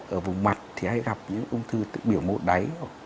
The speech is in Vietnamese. ở vùng mặt thì hay gặp những ung thư biểu mốt đáy